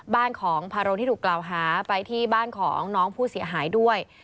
บ้านของพาโรงที่ถูกกล่าวหาไปที่บ้านของน้องผู้เสียหายด้วย